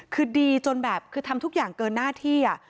คือดีจนแบบคือทำทุกอย่างเกินหน้าที่